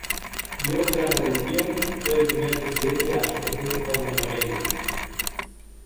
Luego de la revolución fue el primer presidente de la Asociación de Jóvenes Rebeldes.